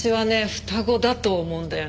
双子だと思うんだよね。